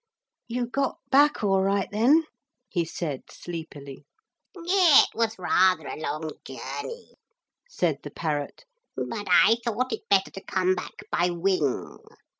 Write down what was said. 'You got back all right then,' he said sleepily. 'It was rather a long journey,' said the parrot, 'but I thought it better to come back by wing.